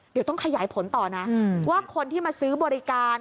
เดี๋ยวต้องขยายผลต่อนะว่าคนที่มาซื้อบริการ